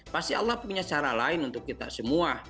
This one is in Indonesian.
pasti allah punya cara lain untuk kita semua